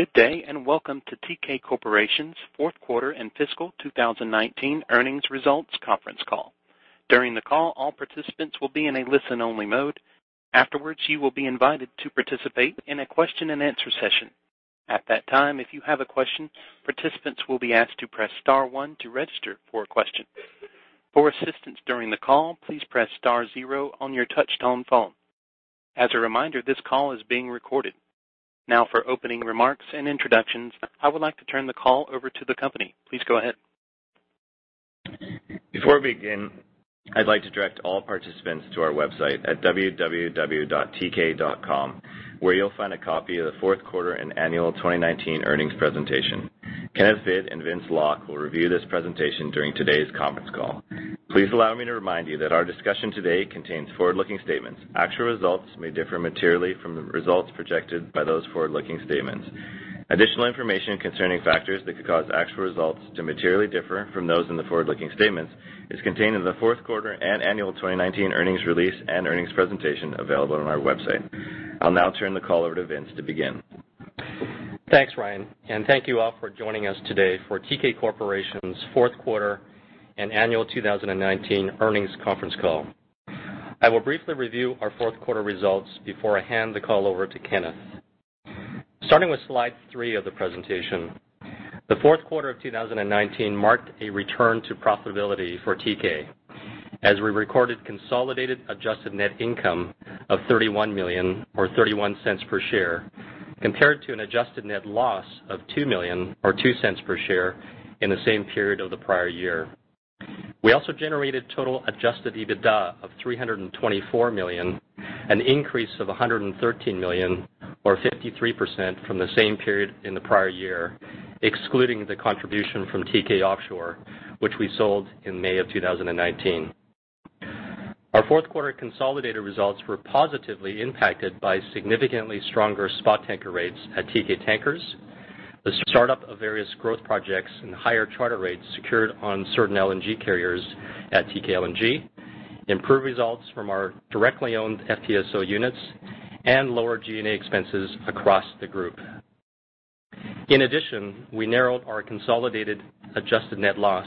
Good day. Welcome to Teekay Corporation's fourth quarter and fiscal 2019 earnings results conference call. During the call, all participants will be in a listen-only mode. Afterwards, you will be invited to participate in a question-and-answer session. At that time, if you have a question, participants will be asked to press star one to register for a question. For assistance during the call, please press star zero on your touch-tone phone. As a reminder, this call is being recorded. For opening remarks and introductions, I would like to turn the call over to the company. Please go ahead. Before we begin, I'd like to direct all participants to our website at www.teekay.com, where you'll find a copy of the fourth quarter and annual 2019 earnings presentation. Kenneth Hvid and Vince Lok will review this presentation during today's conference call. Please allow me to remind you that our discussion today contains forward-looking statements. Actual results may differ materially from the results projected by those forward-looking statements. Additional information concerning factors that could cause actual results to materially differ from those in the forward-looking statements is contained in the fourth quarter and annual 2019 earnings release and earnings presentation available on our website. I'll now turn the call over to Vince to begin. Thanks, Ryan, and thank you all for joining us today for Teekay Corporation's fourth quarter and annual 2019 earnings conference call. I will briefly review our fourth quarter results before I hand the call over to Kenneth. Starting with slide three of the presentation. The fourth quarter of 2019 marked a return to profitability for Teekay, as we recorded consolidated adjusted net income of $31 million or $0.31 per share, compared to an adjusted net loss of $2 million or $0.02 per share in the same period of the prior year. We also generated total adjusted EBITDA of $324 million, an increase of $113 million or 53% from the same period in the prior year, excluding the contribution from Teekay Offshore, which we sold in May of 2019. Our fourth quarter consolidated results were positively impacted by significantly stronger spot tanker rates at Teekay Tankers, the startup of various growth projects and higher charter rates secured on certain LNG carriers at Teekay LNG, improved results from our directly owned FPSO units, and lower G&A expenses across the group. In addition, we narrowed our consolidated adjusted net loss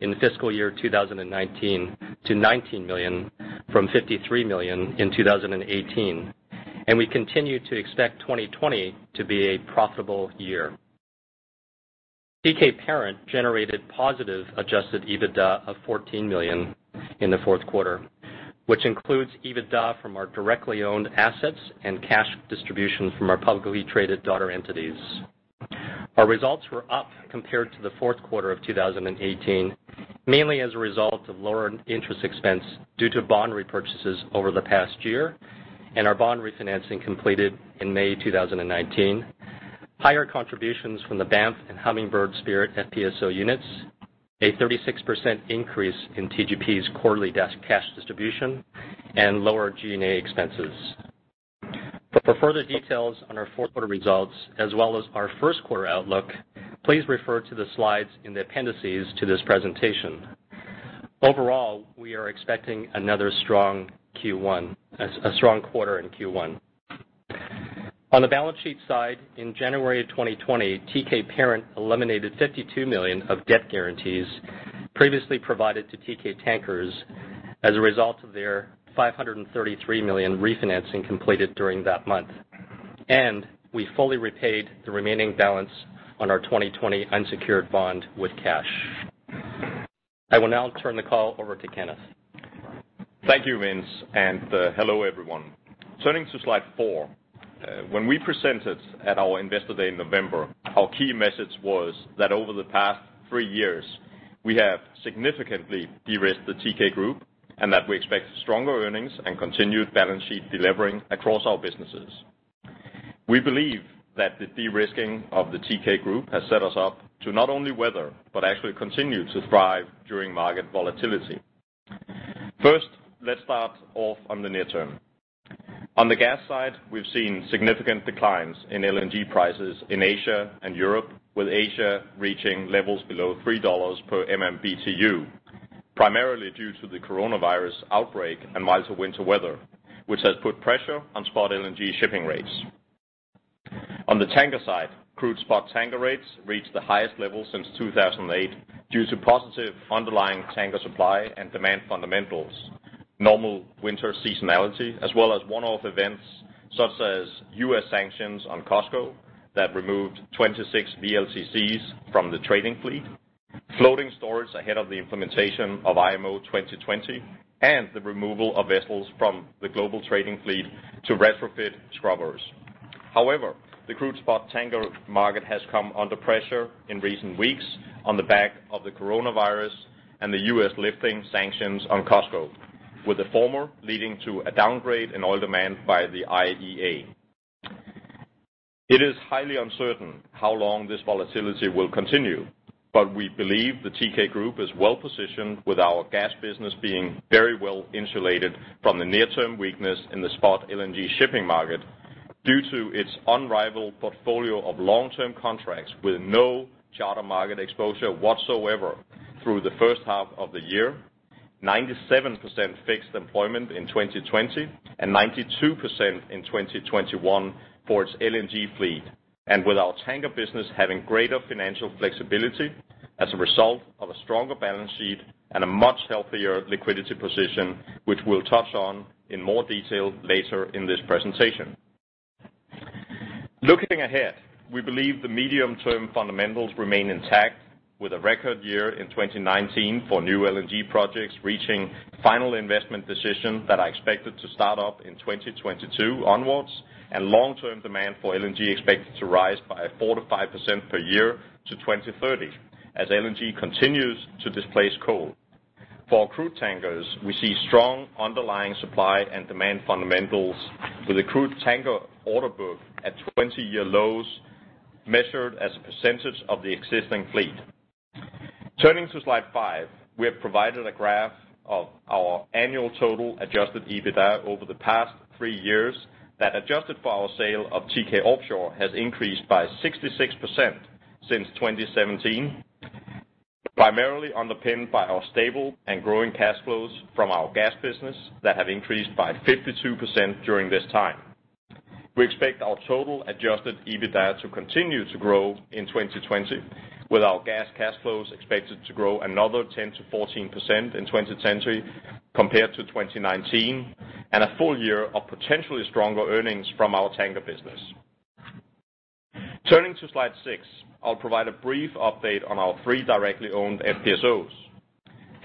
in fiscal year 2019 to $19 million from $53 million in 2018, and we continue to expect 2020 to be a profitable year. Teekay Parent generated positive adjusted EBITDA of $14 million in the fourth quarter, which includes EBITDA from our directly owned assets and cash distributions from our publicly traded daughter entities. Our results were up compared to the fourth quarter of 2018, mainly as a result of lower interest expense due to bond repurchases over the past year and our bond refinancing completed in May 2019. Higher contributions from the Banff and Hummingbird Spirit FPSO units, a 36% increase in TGP's quarterly cash distribution, and lower G&A expenses. For further details on our fourth quarter results, as well as our first quarter outlook, please refer to the slides in the appendices to this presentation. Overall, we are expecting a strong quarter in Q1. On the balance sheet side, in January of 2020, Teekay Parent eliminated $52 million of debt guarantees previously provided to Teekay Tankers as a result of their $533 million refinancing completed during that month. We fully repaid the remaining balance on our 2020 unsecured bond with cash. I will now turn the call over to Kenneth. Thank you, Vince, and hello, everyone. Turning to slide four. When we presented at our Investor Day in November, our key message was that over the past three years, we have significantly de-risked the Teekay group and that we expect stronger earnings and continued balance sheet delivering across our businesses. We believe that the de-risking of the Teekay group has set us up to not only weather but actually continue to thrive during market volatility. First, let's start off on the near-term. On the gas side, we've seen significant declines in LNG prices in Asia and Europe, with Asia reaching levels below $3 per MMBtu, primarily due to the coronavirus outbreak and milder winter weather, which has put pressure on spot LNG shipping rates. On the tanker side, crude spot tanker rates reached the highest level since 2008 due to positive underlying tanker supply and demand fundamentals, normal winter seasonality, as well as one-off events such as U.S. sanctions on COSCO that removed 26 VLCCs from the trading fleet, floating storage ahead of the implementation of IMO 2020, and the removal of vessels from the global trading fleet to retrofit scrubbers. The crude spot tanker market has come under pressure in recent weeks on the back of the coronavirus and the U.S. lifting sanctions on COSCO, with the former leading to a downgrade in oil demand by the IEA. It is highly uncertain how long this volatility will continue, but we believe the Teekay group is well-positioned with our gas business being very well insulated from the near-term weakness in the spot LNG shipping market due to its unrivaled portfolio of long-term contracts with no charter market exposure whatsoever through the first half of the year. 97% fixed employment in 2020 and 92% in 2021 for its LNG fleet. With our tanker business having greater financial flexibility as a result of a stronger balance sheet and a much healthier liquidity position, which we'll touch on in more detail later in this presentation. Looking ahead, we believe the medium-term fundamentals remain intact with a record year in 2019 for new LNG projects reaching final investment decision that are expected to start up in 2022 onwards, and long-term demand for LNG expected to rise by 4%-5% per year to 2030, as LNG continues to displace coal. For crude tankers, we see strong underlying supply and demand fundamentals with the crude tanker order book at 20-year lows, measured as a percent of the existing fleet. Turning to slide five. We have provided a graph of our annual total adjusted EBITDA over the past three years that, adjusted for our sale of Teekay Offshore, has increased by 66% since 2017, primarily underpinned by our stable and growing cash flows from our gas business that have increased by 52% during this time. We expect our total adjusted EBITDA to continue to grow in 2020, with our gas cash flows expected to grow another 10% to 14% in 2020 compared to 2019, and a full-year of potentially stronger earnings from our tanker business. Turning to slide six, I'll provide a brief update on our three directly owned FPSOs.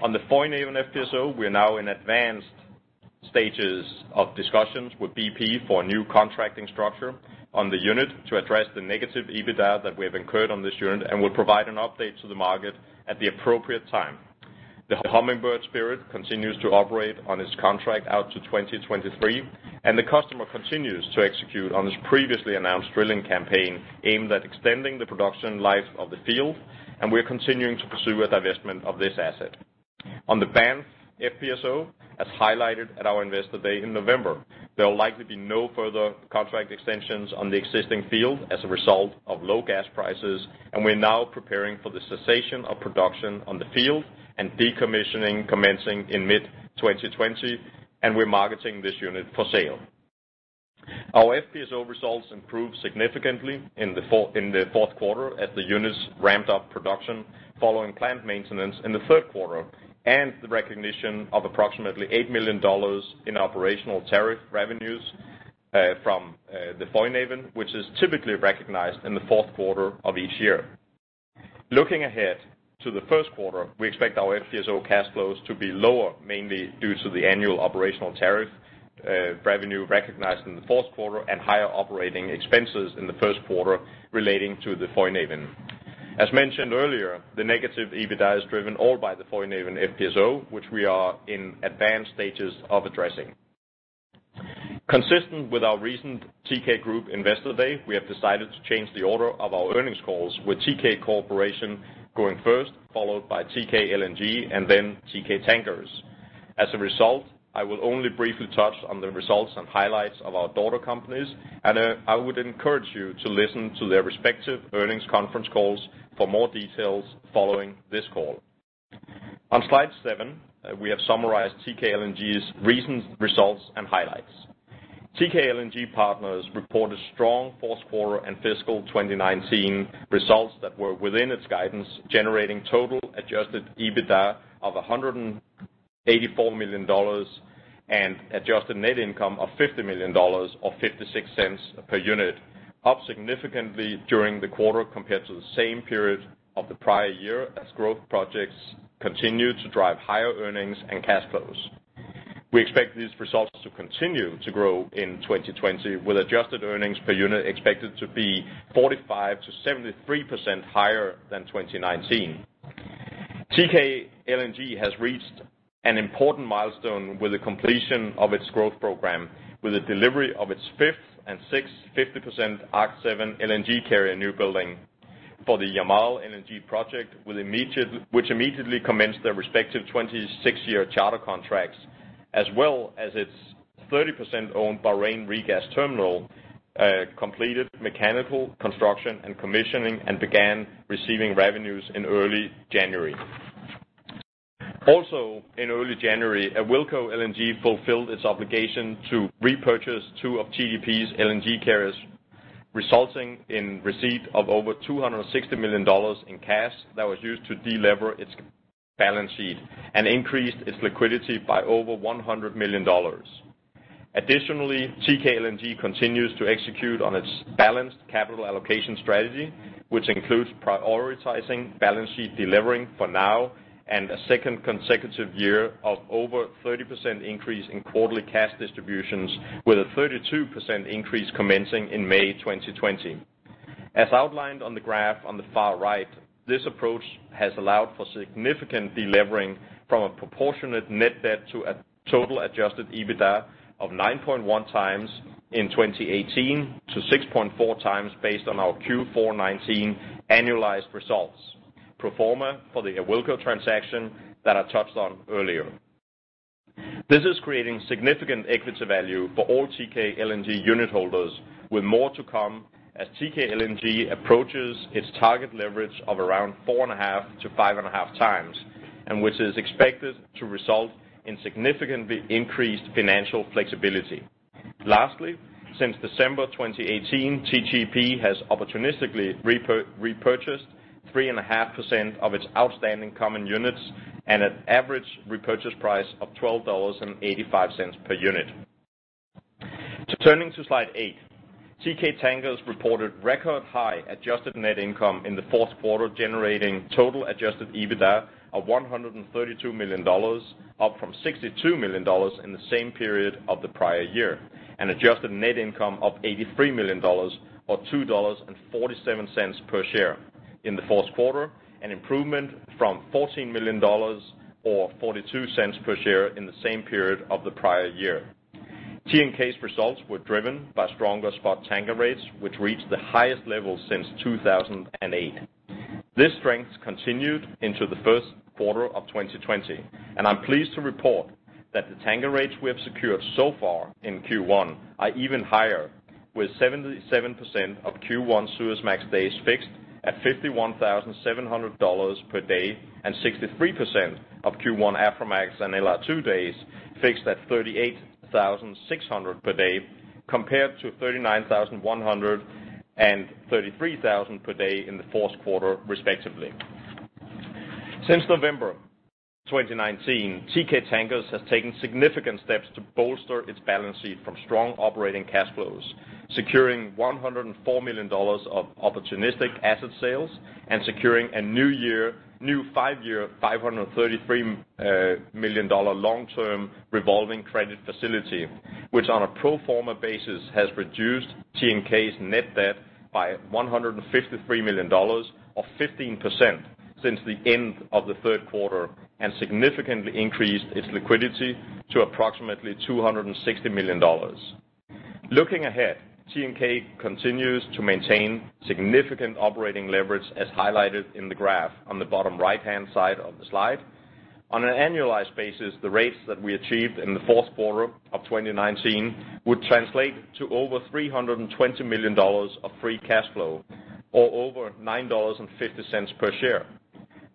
On the Foinaven FPSO, we are now in advanced stages of discussions with BP for a new contracting structure on the unit to address the negative EBITDA that we have incurred on this unit and will provide an update to the market at the appropriate time. The Hummingbird Spirit continues to operate on its contract out to 2023, and the customer continues to execute on its previously announced drilling campaign aimed at extending the production life of the field, and we're continuing to pursue a divestment of this asset. On the Banff FPSO, as highlighted at our Investor Day in November, there will likely be no further contract extensions on the existing field as a result of low gas prices. We're now preparing for the cessation of production on the field and decommissioning commencing in mid-2020. We're marketing this unit for sale. Our FPSO results improved significantly in the fourth quarter as the units ramped up production following planned maintenance in the third quarter. The recognition of approximately $8 million in operational tariff revenues from the Foinaven, which is typically recognized in the fourth quarter of each year. Looking ahead to the first quarter, we expect our FPSO cash flows to be lower, mainly due to the annual operational tariff revenue recognized in the fourth quarter and higher operating expenses in the first quarter relating to the Foinaven. As mentioned earlier, the negative EBITDA is driven all by the Foinaven FPSO, which we are in advanced stages of addressing. Consistent with our recent Teekay Group Investor Day, we have decided to change the order of our earnings calls, with Teekay Corporation going first, followed by Teekay LNG, and then Teekay Tankers. As a result, I will only briefly touch on the results and highlights of our daughter companies, and I would encourage you to listen to their respective earnings conference calls for more details following this call. On slide seven, we have summarized Teekay LNG's recent results and highlights. Teekay LNG Partners reported strong fourth quarter and fiscal 2019 results that were within its guidance, generating total adjusted EBITDA of $184 million and adjusted net income of $50 million or $0.56 per unit, up significantly during the quarter compared to the same period of the prior year as growth projects continued to drive higher earnings and cash flows. We expect these results to continue to grow in 2020, with adjusted earnings per unit expected to be 45%-73% higher than 2019. Teekay LNG has reached an important milestone with the completion of its growth program, with the delivery of its fifth and sixth 50% Arc7 LNG carrier new building for the Yamal LNG project, which immediately commenced their respective 26-year charter contracts, as well as its 30% owned Bahrain regas terminal, completed mechanical construction and commissioning and began receiving revenues in early January. In early January, Awilco LNG fulfilled its obligation to repurchase two of TGP's LNG carriers, resulting in receipt of over $260 million in cash that was used to de-lever its balance sheet and increased its liquidity by over $100 million. Teekay LNG continues to execute on its balanced capital allocation strategy, which includes prioritizing balance sheet de-levering for now and a second consecutive year of over 30% increase in quarterly cash distributions, with a 32% increase commencing in May 2020. As outlined on the graph on the far right, this approach has allowed for significant de-levering from a proportionate net debt to a total adjusted EBITDA of 9.1x in 2018 to 6.4 times based on our Q4 2019 annualized results, pro forma for the Awilco transaction that I touched on earlier. This is creating significant equity value for all Teekay LNG unit holders, with more to come as Teekay LNG approaches its target leverage of around four and a half to five and a half times, and which is expected to result in significantly increased financial flexibility. Lastly, since December 2018, TGP has opportunistically repurchased 3.5% of its outstanding common units and an average repurchase price of $12.85 per unit. Turning to slide eight, Teekay Tankers reported record high adjusted net income in the fourth quarter, generating total adjusted EBITDA of $132 million, up from $62 million in the same period of the prior year, and adjusted net income of $83 million, or $2.47 per share in the fourth quarter, an improvement from $14 million, or $0.42 per share in the same period of the prior year. TNK's results were driven by stronger spot tanker rates, which reached the highest level since 2008. This strength continued into the first quarter of 2020, and I'm pleased to report that the tanker rates we have secured so far in Q1 are even higher, with 77% of Q1 Suezmax days fixed at $51,700 per day and 63% of Q1 Aframax and LR2 days fixed at $38,600 per day, compared to $39,100 and $33,000 per day in the fourth quarter, respectively. Since November 2019, Teekay Tankers has taken significant steps to bolster its balance sheet from strong operating cash flows, securing $104 million of opportunistic asset sales and securing a new five-year, $533 million long-term revolving credit facility, which on a pro forma basis has reduced TNK's net debt by $153 million, or 15%, since the end of the third quarter and significantly increased its liquidity to approximately $260 million. Looking ahead, TNK continues to maintain significant operating leverage, as highlighted in the graph on the bottom right-hand side of the slide. On an annualized basis, the rates that we achieved in the fourth quarter of 2019 would translate to over $320 million of free cash flow or over $9.50 per share.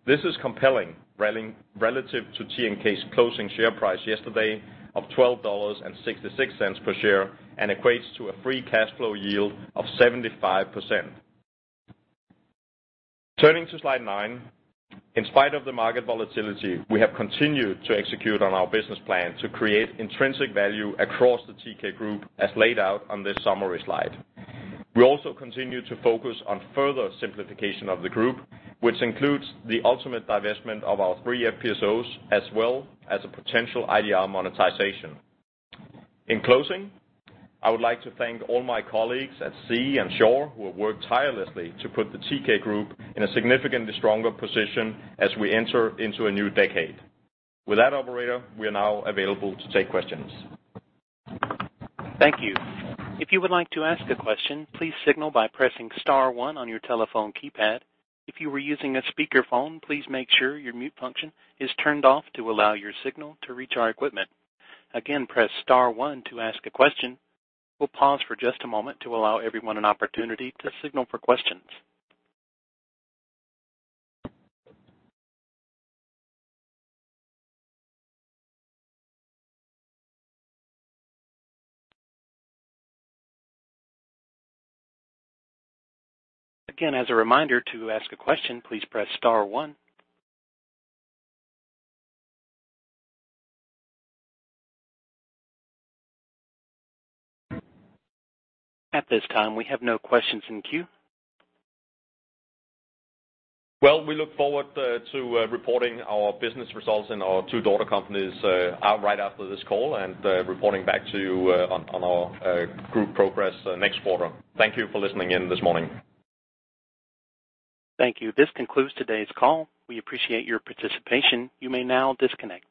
This is compelling relative to TNK's closing share price yesterday of $12.66 per share and equates to a free cash flow yield of 75%. Turning to slide nine. In spite of the market volatility, we have continued to execute on our business plan to create intrinsic value across the Teekay group as laid out on this summary slide. We also continue to focus on further simplification of the group, which includes the ultimate divestment of our three FPSOs as well as a potential IDR monetization. In closing, I would like to thank all my colleagues at sea and shore who have worked tirelessly to put the Teekay group in a significantly stronger position as we enter into a new decade. With that, operator, we are now available to take questions. Thank you. If you would like to ask a question, please signal by pressing star one on your telephone keypad. If you are using a speakerphone, please make sure your mute function is turned off to allow your signal to reach our equipment. Again, press star one to ask a question. We will pause for just a moment to allow everyone an opportunity to signal for questions. Again, as a reminder, to ask a question, please press star one. At this time, we have no questions in queue. Well, we look forward to reporting our business results in our two daughter companies right after this call, and reporting back to you on our group progress next quarter. Thank you for listening in this morning. Thank you. This concludes today's call. We appreciate your participation. You may now disconnect.